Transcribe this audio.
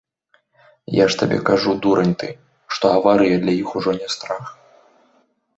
Я ж табе кажу, дурань ты, што аварыя для іх ужо не страх.